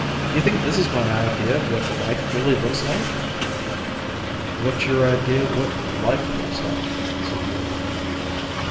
"You think this is my idea of what life really looks like?" "What's your idea of what life looks like?" said the orderly.